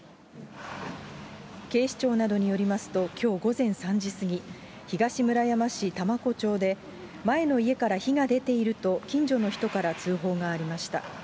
警視庁などによりますと、きょう午前３時過ぎ、東村山市多摩湖町で前の家から火が出ていると近所の人から通報がありました。